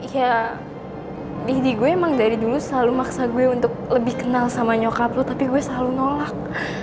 ya didi gue emang dari dulu selalu maksa gue untuk lebih kenal sama nyokaplu tapi gue selalu nolak